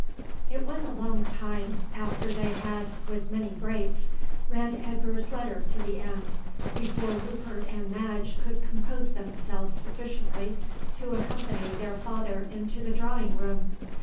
It was a long time after they had, with many breaks, read Edgar's letter to the end before Rupert and Madge could compose themselves sufficiently to accompany their father into the drawing room.